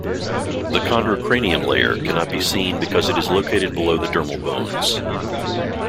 The chondrocranium layer cannot be seen because it is located below the dermal bones.